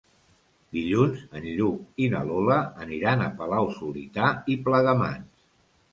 Dilluns en Lluc i na Lola aniran a Palau-solità i Plegamans.